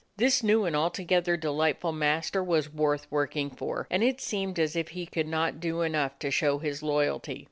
This new and altogether delightful master was worth working for, and it seemed as if he could not do enough to show his loyalty.